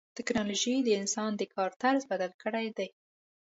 ټکنالوجي د انسان د کار طرز بدل کړی دی.